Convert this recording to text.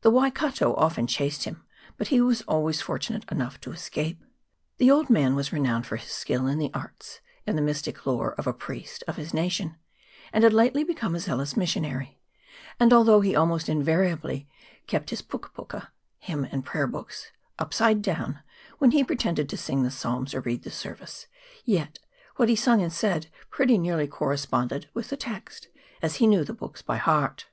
The Waikato often chased him, but he was always fortunate enough to escape. The old man was renowned for his skill in the arts and the mystic lore of a priest of his nation, and had lately become a zealous missionary ; and although he almost invariably kept his puka puka (hymn and prayer books) upside down when he pretended to sing his psalms or read the service, yet what he sung and said pretty nearly corresponded with the 142 MOUNT EGMONT. [PART I. text, as he knew the books by heart.